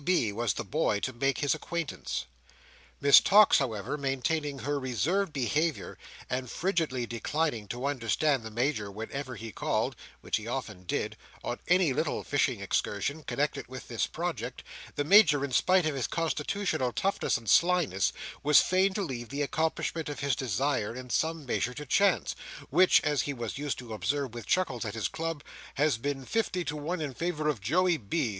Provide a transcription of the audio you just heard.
B. was the boy to make his acquaintance. Miss Tox, however, maintaining her reserved behaviour, and frigidly declining to understand the Major whenever he called (which he often did) on any little fishing excursion connected with this project, the Major, in spite of his constitutional toughness and slyness, was fain to leave the accomplishment of his desire in some measure to chance, "which," as he was used to observe with chuckles at his club, "has been fifty to one in favour of Joey B.